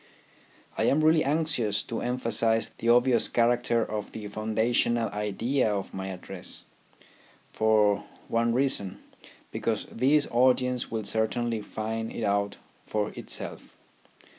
I am really anxious to emphasize the obvious character of the foundational idea of my address ; for one reason, because this audience will certainly find it out for itself.